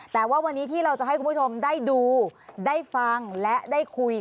แต่ว่าวันนี้ที่เราจะให้คุณผู้ชมได้ดูได้ฟังและได้คุย